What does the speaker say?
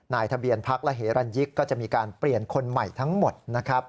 ทะเบียนพักและเฮรันยิกก็จะมีการเปลี่ยนคนใหม่ทั้งหมดนะครับ